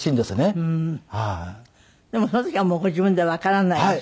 でもその時はご自分ではわからないんでしょ？